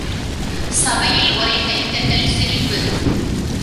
சபையில் ஒரே கை தட்டல் சிரிப்பு.